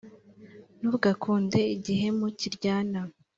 ntugakunde igihemu kiryana